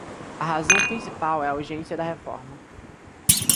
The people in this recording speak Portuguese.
A razão principal é a urgência da reforma.